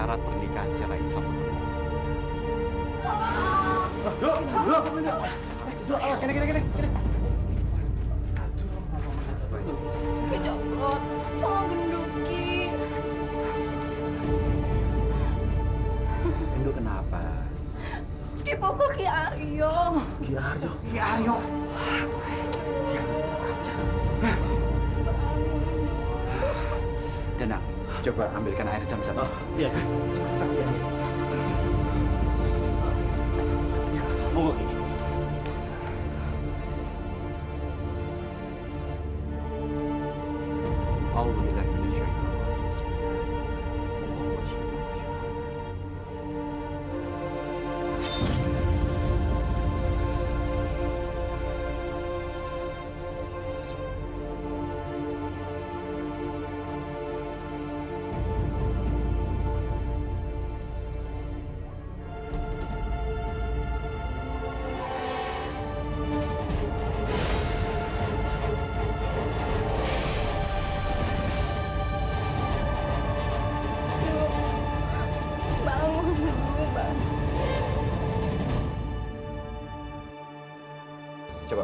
sampai jumpa di video selanjutnya